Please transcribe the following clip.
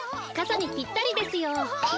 かさにぴったりですよ。